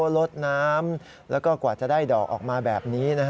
ลดน้ำแล้วก็กว่าจะได้ดอกออกมาแบบนี้